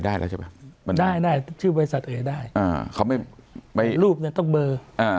ได้ชื่อบริษัทเองได้รูปต้องเบอร์